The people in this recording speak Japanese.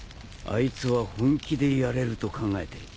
あいつは本気でやれると考えている。